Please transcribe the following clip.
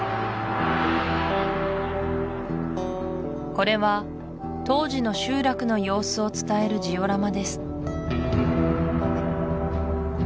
これは当時の集落の様子を伝えるジオラマです